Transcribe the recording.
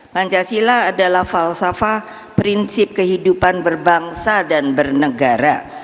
pancasila adalah falsafah prinsip kehidupan berbangsa dan bernegara